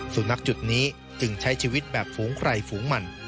สุนัขจุดนี้จึงใช้ชีวิตแบบฝูงใครฝูงมัน